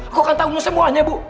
aku kan tahu semua bu